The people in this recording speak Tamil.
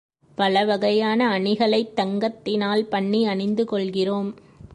பலவகையான அணிகளைத் தங்கத்தினால் பண்ணி அணிந்து கொள்கிறோம்.